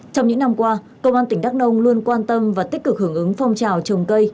trong những năm qua công an tỉnh đắk nông luôn quan tâm và tích cực hưởng ứng phong trào trồng cây